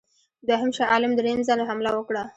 دوهم شاه عالم درېم ځل حمله وکړه.